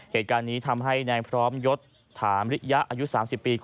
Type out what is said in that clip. เหตุการณ์นี้ทำให้นายพร้อมยศถามริยะอายุ๓๐ปี